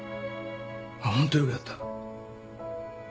ホントよくやった。